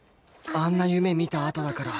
あんな夢見たあとだから